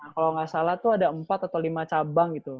kalau nggak salah tuh ada empat atau lima cabang gitu